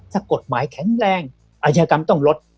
ถ้ากฎหมายแข็งแรงอาชญากรรมต้องลด